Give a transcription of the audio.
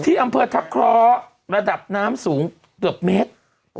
ที่อำเภอทักคล้อระดับน้ำสูงเกือบเมตร